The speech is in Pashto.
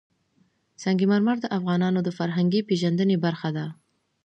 سنگ مرمر د افغانانو د فرهنګي پیژندنې برخه ده.